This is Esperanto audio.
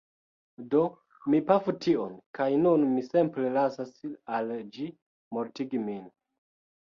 Do mi pafu tiun, kaj nun mi simple lasas al ĝi mortigi min.